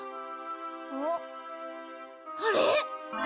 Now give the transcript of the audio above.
うん？あれ？